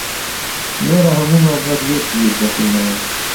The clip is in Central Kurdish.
لێرە ھەموومان وەک یەک بیردەکەینەوە.